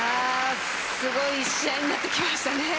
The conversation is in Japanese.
すごい試合になってきましたね。